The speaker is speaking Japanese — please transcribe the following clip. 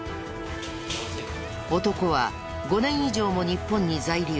男は５年以上も日本に在留。